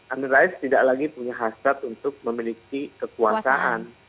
amin rais tidak lagi punya hasrat untuk memiliki kekuasaan